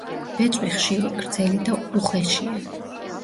ბეწვი ხშირი, გრძელი და უხეშია.